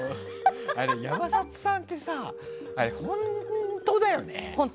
山里さんってさ、本当だよね。